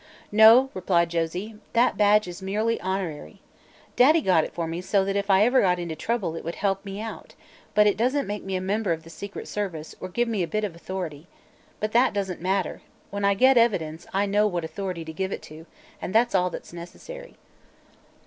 "No," replied Josie; "that badge is merely honorary. Daddy got it for me so that if ever I got into trouble it would help me out, but it doesn't make me a member of the secret service or give me a bit of authority. But that doesn't matter; when I get evidence, I know what authority to give it to, and that's all that is necessary."